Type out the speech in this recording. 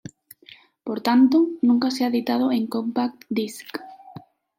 Por tanto, nunca se ha editado en compact disc.